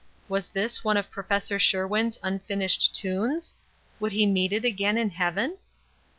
Was this one of Prof. Sherwin's unfinished tunes? Would he meet it again in heaven?